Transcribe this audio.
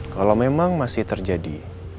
kalau memang masih terjadi